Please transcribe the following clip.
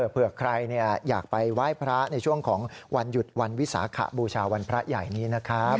เผื่อใครอยากไปไหว้พระในช่วงของวันหยุดวันวิสาขบูชาวันพระใหญ่นี้นะครับ